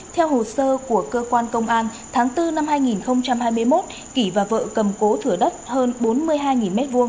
theo hồ sơ của cơ quan công an tháng bốn năm hai nghìn hai mươi một kỷ và vợ cầm cố thửa đất hơn bốn mươi hai m hai